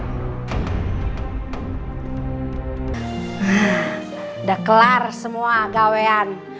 udah kelar semua gawean